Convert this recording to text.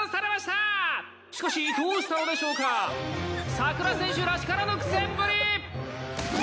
サクラ選手らしからぬ苦戦ぶり！